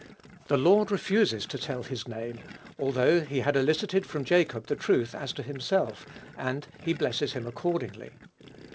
The Lord refuses to tell his name, though he had elicited from Jacob the truth as to himself, and he blesses him accordingly.